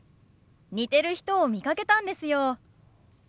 似てる人を見かけたんですよ。